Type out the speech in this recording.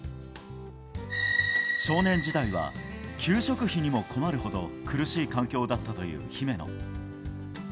少年時代は給食費にも困るほど、苦しい環境だったという姫野。